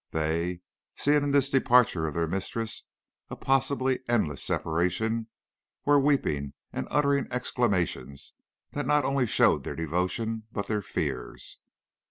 They, seeing in this departure of their mistress a possibly endless separation, were weeping and uttering exclamations that not only showed their devotion, but their fears.